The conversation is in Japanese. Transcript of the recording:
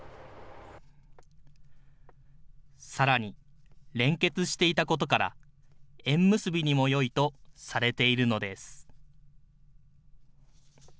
さらに、連結していたことから、縁結びにもよいとされているのです。